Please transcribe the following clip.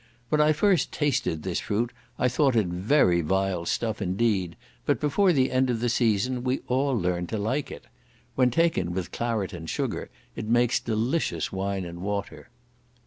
When I first tasted this fruit I thought it very vile stuff indeed, but before the end of the season we all learned to like it. When taken with claret and sugar it makes delicious wine and water.